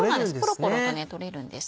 ポロポロと取れるんです。